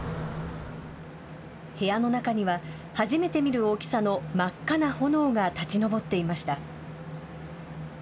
部屋の中には初めて見る大きさの真っ赤な炎が立ち上っていました。